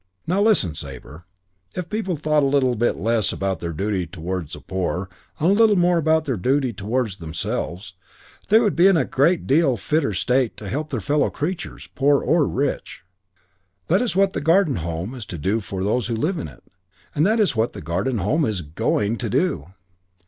Now, listen, Sabre. If people thought a little less about their duty towards the poor and a little more about their duty towards themselves, they would be in a great deal fitter state to help their fellow creatures, poor or rich. That is what the Garden Home is to do for those who live in it, and that is what the Garden Home is going to do."